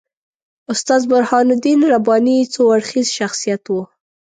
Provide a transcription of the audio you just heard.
استاد برهان الدین رباني څو اړخیز شخصیت وو.